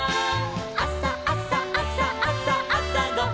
「あさあさあさあさあさごはん」